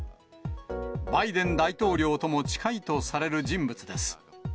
バイデン大統領とも近いとされる人物です。